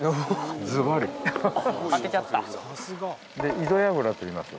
井戸櫓といいます。